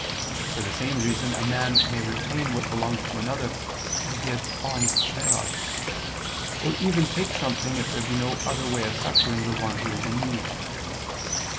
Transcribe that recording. For the same reason a man may retain what belongs to another, and give alms thereof; or even take something if there be no other way of succoring the one who is in need.